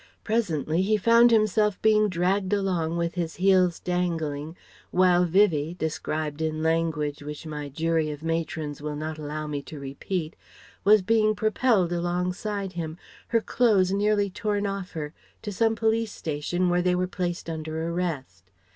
Presently he found himself being dragged along with his heels dangling, while Vivie, described in language which my jury of matrons will not allow me to repeat, was being propelled alongside him, her clothes nearly torn off her, to some police station where they were placed under arrest.